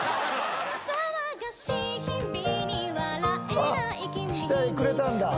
あっしてくれたんだ。